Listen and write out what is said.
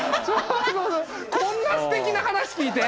こんなすてきな話聞いて？